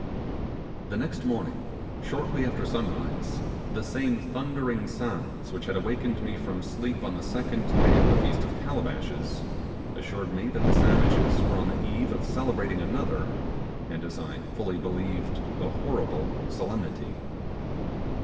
The next morning, shortly after sunrise, the same thundering sounds which had awakened me from sleep on the second day of the Feast of Calabashes, assured me that the savages were on the eve of celebrating another, and, as I fully believed, a horrible solemnity.